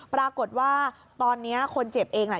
ปรากฏว่าตอนนี้คนเจ็บเองน่ะ